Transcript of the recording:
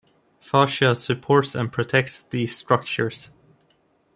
Fascia supports and protects these structures.